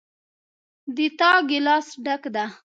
د تا ګلاس ډک ده